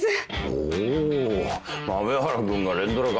お豆原君が連ドラか。